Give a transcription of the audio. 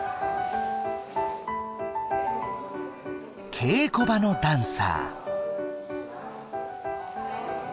稽古場のダンサー。